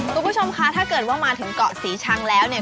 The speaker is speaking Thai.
คุณผู้ชมคะถ้าเกิดว่ามาถึงเกาะศรีชังแล้วเนี่ย